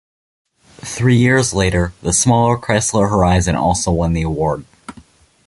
Three years later, the smaller Chrysler Horizon also won the award.